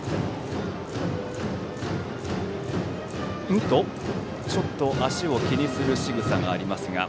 おっとちょっと足を気にするしぐさがあります。